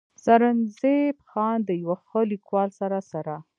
“ سرنزېب خان د يو ښه ليکوال سره سره